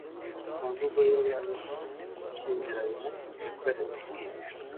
ku mvugo y abashyingiranywe ikorewe